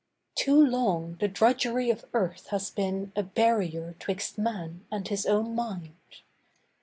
Too long the drudgery of earth has been A barrier 'twixt man and his own mind.